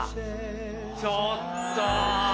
ちょっと！